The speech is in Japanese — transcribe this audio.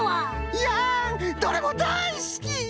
いやんどれもだいすき！